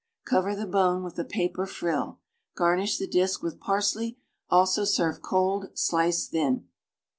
Cover the bone with a paper frill. Garnish the dish with parsley. Also serve cold, sliced thin.